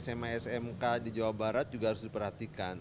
sma smk di jawa barat juga harus diperhatikan